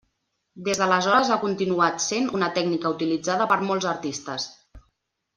Des d'aleshores ha continuat sent una tècnica utilitzada per molts artistes.